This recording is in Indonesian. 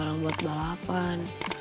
gue gak bisa buat balapan